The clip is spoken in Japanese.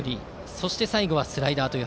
そして最後はスライダー。